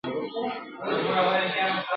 چي یوازي وه ککړي یې وهلې ..